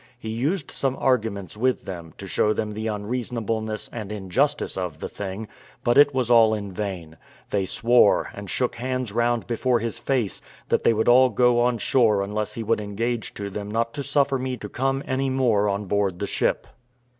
He used some arguments with them, to show them the unreasonableness and injustice of the thing, but it was all in vain; they swore, and shook hands round before his face, that they would all go on shore unless he would engage to them not to suffer me to come any more on board the ship.